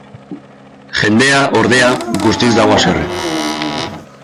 Jendea, ordea, guztiz dago haserre.